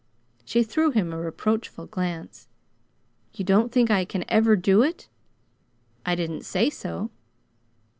She threw him a reproachful glance. "You don't think I can ever do it?" "I didn't say so."